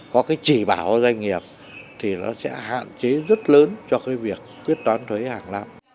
có cái chỉ bảo doanh nghiệp thì nó sẽ hạn chế rất lớn cho cái việc quyết toán thuế hàng năm